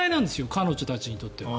彼女たちにとっては。